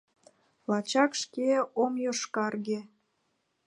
Лачак шке ом йошкарге: